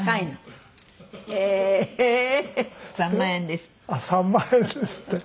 あっ３万円ですって。